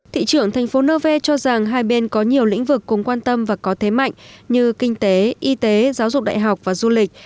thị trưởng thành phố nevers cho rằng hai bên có nhiều lĩnh vực cùng quan tâm và có thế mạnh như kinh tế y tế giáo dục đại học và du lịch